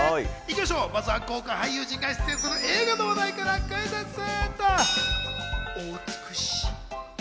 まずは豪華俳優陣が出演する映画の話題からクイズッス！